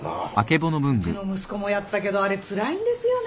うちの息子もやったけどあれつらいんですよね。